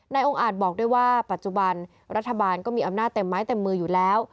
องค์อาจบอกด้วยว่าปัจจุบันรัฐบาลก็มีอำนาจเต็มไม้เต็มมืออยู่แล้ว